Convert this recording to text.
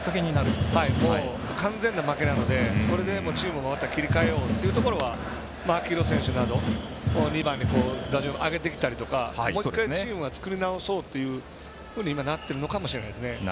完全な負けなので、それでチームを切り替えようという秋広選手などを２番に打順を上げてきたりとかもう１回、チームを作り直そうというふうになっているかもしれないですね。